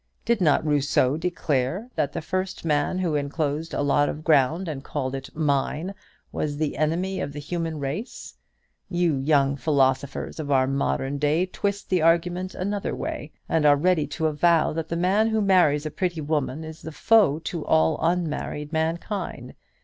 Did not Rousseau declare that the first man who enclosed a lot of ground and called it 'mine' was the enemy of the human race? You young philosophers of our modern day twist the argument another way, and are ready to avow that the man who marries a pretty woman is the foe to all unmarried mankind.